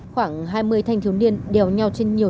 khoảng hai mươi thanh thiếu niên đều nhau trên nhiệm vụ